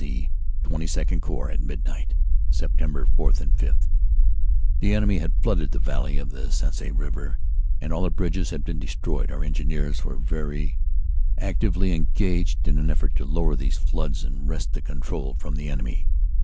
C. XXII Corps at midnight, Sept. 4 5. "The enemy had flooded the valley of the Sensee river and all the bridges had been destroyed. Our Engineers were very actively engaged in an effort to lower these floods and wrest the control from the enemy.